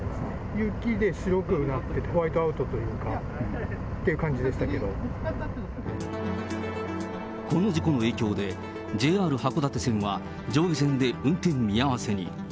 雪で白くなって、ホワイトアウトっていうか、この事故の影響で、ＪＲ函館線は上下線で運転見合わせに。